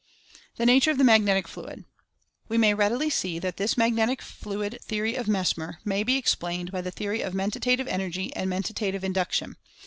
THE NATURE OF THE "MAGNETIC FLUID." We may readily see that this "magnetic fluid" the ory of Mesmer may be explained by the theory of Men tative Energy, and Mentative Induction.